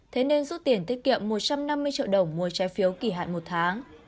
thế nên rút tiền tiết kiệm một trăm năm mươi triệu đồng mua trái phiếu kỳ hạn một tháng